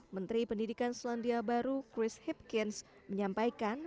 menteri pendidikan selandia baru chris hipkins menyampaikan